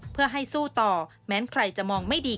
เพื่อให้สู้ต่อแม้ใครจะมองไม่ดี